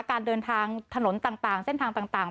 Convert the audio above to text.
การเดินทางถนนต่างเส้นทางต่าง